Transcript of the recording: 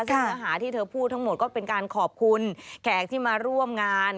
ซึ่งเนื้อหาที่เธอพูดทั้งหมดก็เป็นการขอบคุณแขกที่มาร่วมงาน